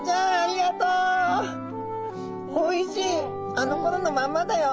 あのころのまんまだよ。